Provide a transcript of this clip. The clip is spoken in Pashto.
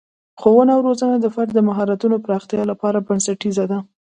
ښوونه او روزنه د فرد د مهارتونو پراختیا لپاره بنسټیزه ده.